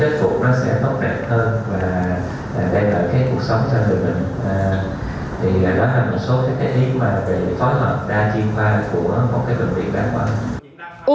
thì đó là một số cái kế tiếp về khối hợp đa chiêm phai của một cái bệnh viện đáng quả